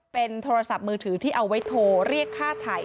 เป็นโทรศัพท์มือถือที่เอาไว้โทรเรียกค่าถ่าย